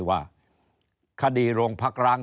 ว่าคดีโรงพักร้าง